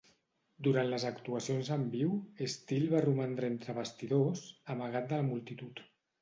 Durant les actuacions en viu, Steele va romandre entre bastidors, amagat de la multitud.